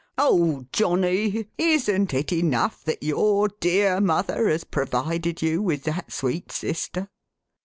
Oh, Johnny! Isn't it enough that your dear mother has provided you with that sweet sister?"